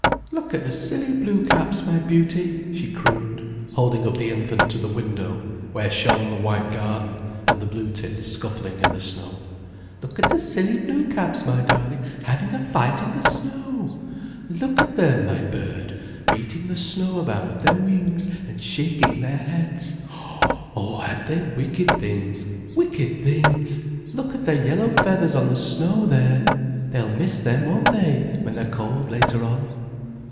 "Look at the silly blue caps, my beauty," she crooned, holding up the infant to the window, where shone the white garden, and the blue tits scuffling in the snow: "Look at the silly blue caps, my darling, having a fight in the snow! Look at them, my bird—beating the snow about with their wings, and shaking their heads. Oh, aren't they wicked things, wicked things! Look at their yellow feathers on the snow there! They'll miss them, won't they, when they're cold later on.